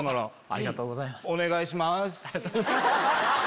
ありがとうございます。